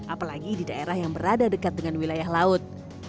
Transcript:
apalagi di daerah yang berada dekat dengan wilayah laut